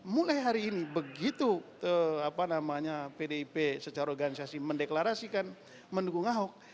mulai hari ini begitu pdip secara organisasi mendeklarasikan mendukung ahok